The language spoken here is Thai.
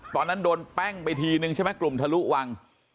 ตอนนั้นโดนแป้งไปทีนึงใช่ไหมกลุ่มทะลุวัง